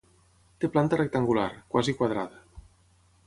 Té planta rectangular, quasi quadrada.